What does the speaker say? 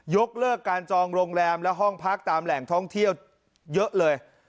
ยกเลิกการจองโรงแรมและห้องพักตามแหล่งท่องเที่ยวเยอะเลย